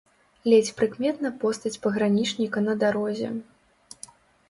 Ледзь прыкметна постаць пагранічніка на дарозе.